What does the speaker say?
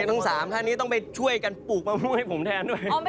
ทั้ง๓ท่านนี้ต้องไปช่วยกันปลูกมะม่วงให้ผมแทนด้วย